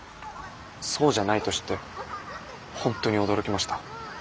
そうじゃないと知って本当に驚きました。